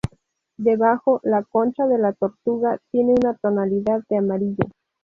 Debajo, la concha de la tortuga tiene una tonalidad de amarillo.